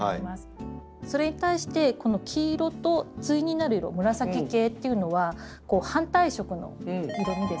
それに対して黄色と対になる色紫系っていうのは反対色の色みですね。